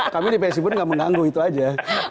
kami di psi pun nggak mengganggu itu aja